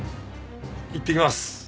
いってきます。